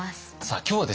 今日はですね